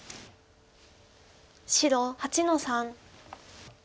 白８の三。